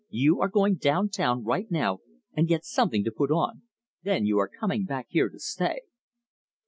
"You are going down town right now and get something to put on. Then you are coming back here to stay."